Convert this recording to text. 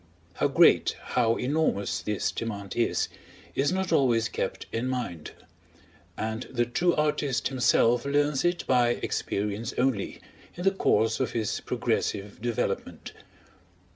How great, how enormous, this demand is, is not always kept in mind; and the true artist himself learns it by experience only, in the course of his progressive development.